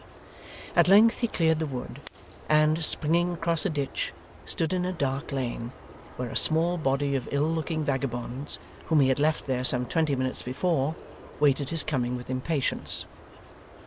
At length he cleared the wood, and, springing across a ditch, stood in a dark lane, where a small body of ill looking vagabonds, whom he had left there some twenty minutes before, waited his coming with impatience.